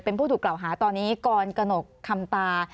เป็นผู้ถูกกล่าวหาตอนนี้กรกระหนกคำตา